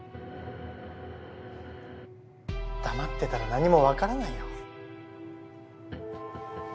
黙ってたら何もわからないよ。